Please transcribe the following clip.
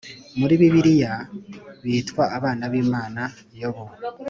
Muri Bibiliya bitwa abana b Imana Yobu